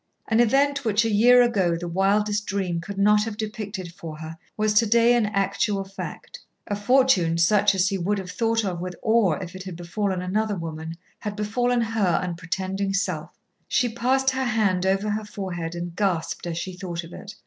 An event which a year ago the wildest dream could not have depicted for her was to day an actual fact; a fortune such as she would have thought of with awe if it had befallen another woman, had befallen her unpretending self. She passed her hand over her forehead and gasped as she thought of it.